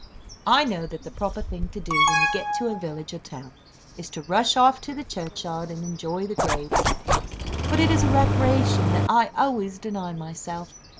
I know that the proper thing to do, when you get to a village or town, is to rush off to the churchyard, and enjoy the graves; but it is a recreation that I always deny myself.